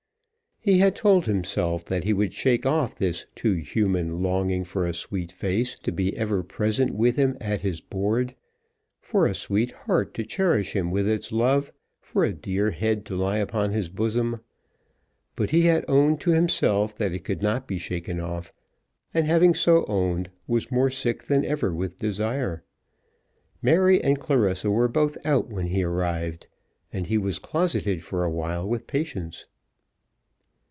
He had told himself that he would shake off this too human longing for a sweet face to be ever present with him at his board, for a sweet heart to cherish him with its love, for a dear head to lie upon his bosom. But he had owned to himself that it could not be shaken off, and having so owned, was more sick than ever with desire. Mary and Clarissa were both out when he arrived, and he was closeted for a while with Patience.